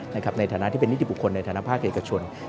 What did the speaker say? ในฐานะที่เป็นนิติบุคคลในฐานะภาคเอกชน